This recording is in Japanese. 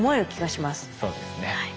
そうですね。